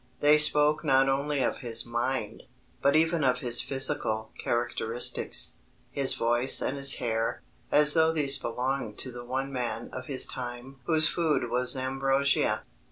They spoke not only of his mind, but even of his physical characteristics his voice and his hair as though these belonged to the one man of his time whose food was ambrosia.